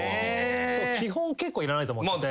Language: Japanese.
基本結構いらないと思ってて。